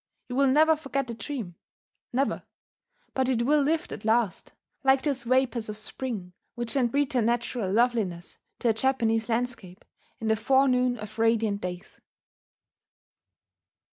You will never forget the dream, never; but it will lift at last, like those vapours of spring which lend preternatural loveliness to a Japanese landscape in the forenoon of radiant days.